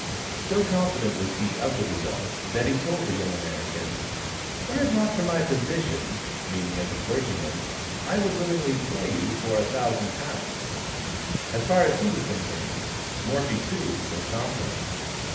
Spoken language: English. So confident was he of the result, that he told the young American: "Were it not for my position (meaning as a clergyman), I would willingly play you for a thousand pounds." As far as he was concerned, Morphy, too, was confident.